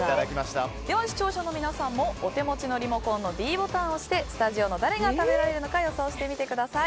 視聴者の皆さんもお手持ちのリモコンのｄボタンを押してスタジオの誰が食べられるのか予想してみてください。